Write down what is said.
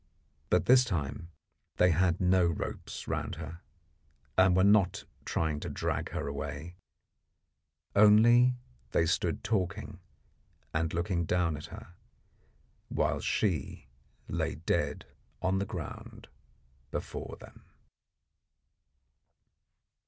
But this time they had no ropes round her, and were not trying to drag her away; only they stood talking and looking down at her, while she lay dead on the ground before them.